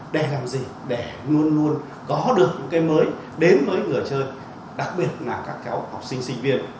đè làm gì để luôn luôn có được những cái mới đến mới ngửa chơi đặc biệt là các học sinh sinh viên